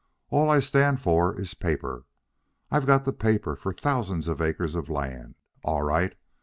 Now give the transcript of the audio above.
All I stand for is paper. I've got the paper for thousands of acres of land. All right.